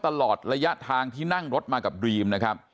ตลอดระยะทางที่นั่งรถมากับดรีม